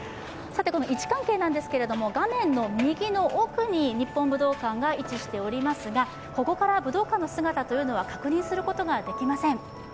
位置関係ですけれども、画面右奥に日本武道館が位置しておりますがここから武道館の姿は確認することができません。